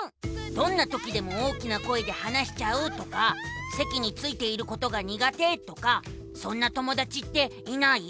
「どんなときでも大きな声で話しちゃう」とか「せきについていることが苦手」とかそんな友だちっていない？